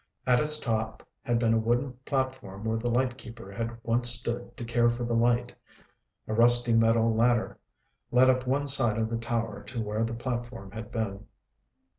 At its top had been a wooden platform where the lightkeeper had once stood to care for the light. A rusty metal ladder led up one side of the tower to where the platform had been.